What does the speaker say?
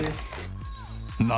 「何？